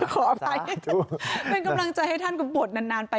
เป็นกำลังใจให้ท่านบทนานไป